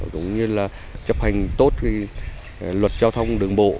cũng như là chấp hành tốt luật giao thông đường bộ